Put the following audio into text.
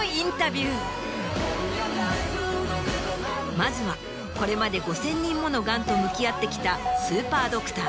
まずはこれまで５０００人ものガンと向き合ってきたスーパードクター